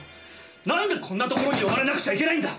なんでこんなところに呼ばれなくちゃいけないんだ！